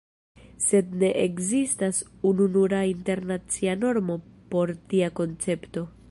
Sed ne ekzistas ununura internacia normo por tia koncepto.